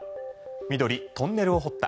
緑、トンネルを掘った。